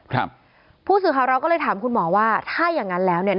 ครับผู้สื่อข่าวเราก็เลยถามคุณหมอว่าถ้าอย่างงั้นแล้วเนี่ย